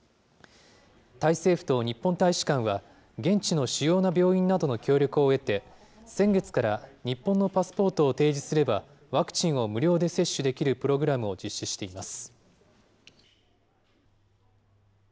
タイ政府と日本大使館は、現地の主要な病院などの協力を得て、先月から日本のパスポートを提示すれば、ワクチンを無料で接種できるプログラムを実施しています。